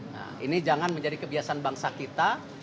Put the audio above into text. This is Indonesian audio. nah ini jangan menjadi kebiasaan bangsa kita